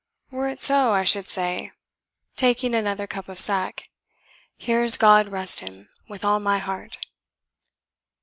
Were it so, I should say" (taking another cup of sack) "Here's God rest him, with all my heart."